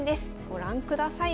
ご覧ください